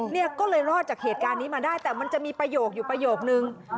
เนี่ยก็เลยรอดจากเหตุการณ์นี้มาได้แต่มันจะมีประโยคอยู่ประโยคนึง